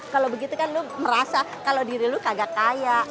kalau begitu kan lu merasa kalau diri lu kagak kaya